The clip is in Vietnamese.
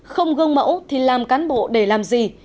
không gương mẫu thì làm cán bộ để làm gì